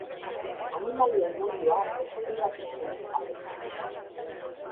Animalien mundua deskribatu zuen, batez ere.